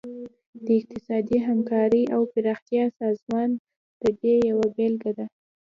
د اقتصادي همکارۍ او پراختیا سازمان د دې یوه بیلګه ده